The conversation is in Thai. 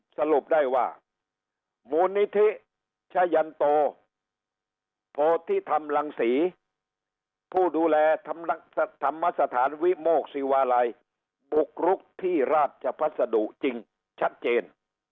สรุปได้ว่ามูลนิธิชะยันโตโพธิธรรมรังศรีผู้ดูแลธรรมสถานวิโมกศิวาลัยบุกรุกที่ราชพัสดุจริงชัดเจน